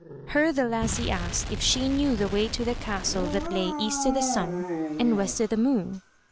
Her the lassie asked if she knew the way to the Castle that lay EAST O' THE SUN AND WEST O' THE MOON.